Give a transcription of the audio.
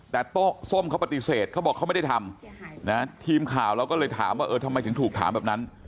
แต่โต๊ะส้มเขาปฏิเสธเขาบอกเขาไม่ได้ทำนะทีมข่าวเราก็เลยถามว่าเออทำไมถึงถูกถามแบบนั้น